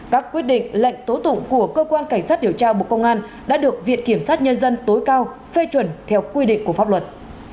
các quyết định lệnh tố tụng của cơ quan cảnh sát điều tra bộ công an đã được viện kiểm sát nhân dân tối cao phê chuẩn theo quy định của pháp luật